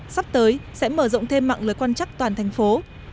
sắp tới sẽ mở rộng thêm mạng lưới quan trắc toàn thành phố